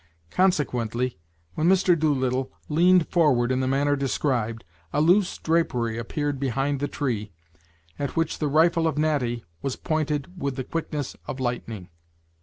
Consequently, when Mr. Doolittle leaned forward in the manner described, a loose drapery appeared behind the tree, at which the rifle of Natty was pointed with the quickness of lightning.